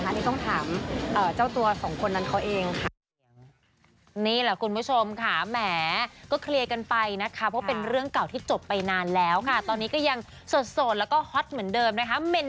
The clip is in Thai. ขอถามเจ้าตัวสองคนนั้นเขาเองค่ะ